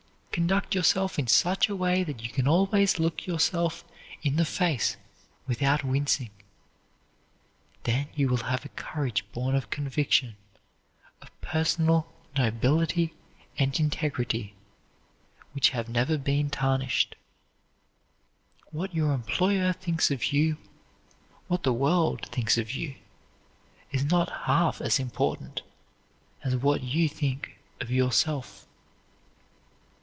Conduct yourself in such a way that you can always look yourself in the face without wincing; then you will have a courage born of conviction, of personal nobility and integrity which have never been tarnished. What your employer thinks of you, what the world thinks of you, is not half as important as what you think of yourself.